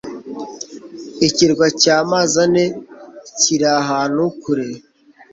ikirwa cya Mazane kiri ahantu kure